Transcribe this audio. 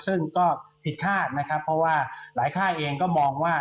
ซึ่งก็ผิดคาดนะครับเพราะว่าหลายค่ายเองก็มองว่า